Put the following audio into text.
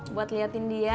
buat liatin dia